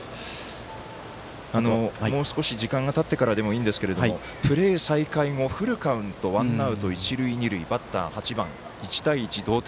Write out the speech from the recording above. もう少し時間がたってからでもいいんですけれどもプレー再開後フルカウント、ワンアウト一塁二塁、バッター、８番１対１、同点。